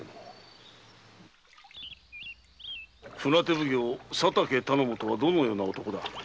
船手奉行・佐竹頼母とはどのような男だ？